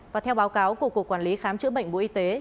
và theo báo cáo của cục quản lý khám chữa bệnh bộ y tế